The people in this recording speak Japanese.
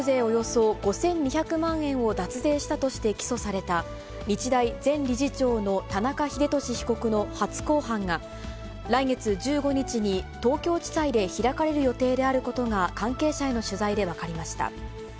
およそ５２００万円を脱税したとして起訴された、日大前理事長の田中英壽被告の初公判が、来月１５日に東京地裁で開かれる予定であることが、関係者への取材で分かりました。